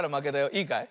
いいかい？